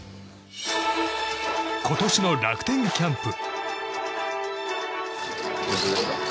今年の楽天キャンプ。